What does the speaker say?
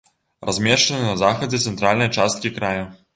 Размешчаны на захадзе цэнтральнай часткі края.